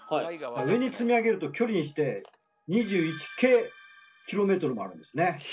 上に積み上げると距離にして２１京ｋｍもあるんですね。